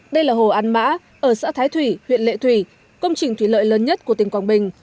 đây là hồ an mã ở xã thái thủy huyện lệ thủy công trình thủy lợi lớn nhất của tỉnh quảng bình